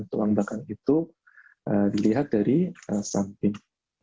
tulang belakang itu dilihat dari samping